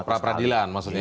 oh pra per adilan maksudnya